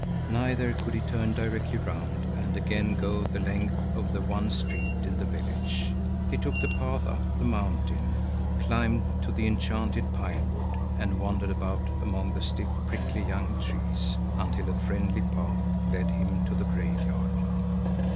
Neither could he turn directly round and again go the length of the one street in the village; he took the path up the mountain, climbed to the enchanted pine wood, and wandered about among the stiff, prickly young trees, until a friendly path led him to the graveyard.